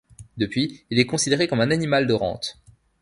Depuis, il est considéré comme un animal de rente.